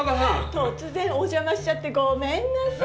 突然お邪魔しちゃってごめんなさい。